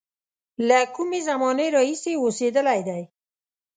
له کومې زمانې راهیسې اوسېدلی دی.